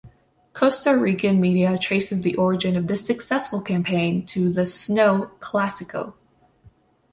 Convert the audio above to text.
Costa Rican media traces the origin of this successful campaign to the "Snow Clasico".